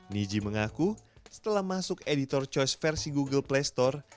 niji mengaku setelah masuk editor choice versi google play store